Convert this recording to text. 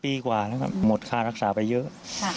ปีกว่าแล้วก็หมดค่ารักษาไปเยอะ